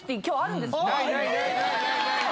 今日あるんですって。